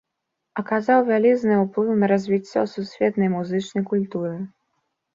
Аказаў вялізны ўплыў на развіццё сусветнай музычнай культуры.